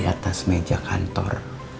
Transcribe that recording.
diatas meja kantor